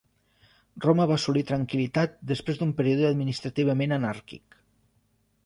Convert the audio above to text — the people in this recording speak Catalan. Roma va assolir tranquil·litat després d'un període administrativament anàrquic.